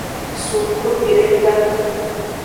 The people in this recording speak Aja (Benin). Sukuvideka.